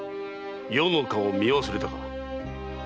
余の顔を見忘れたか？